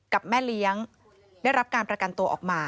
แม่เลี้ยงได้รับการประกันตัวออกมา